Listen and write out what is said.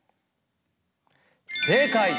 正解！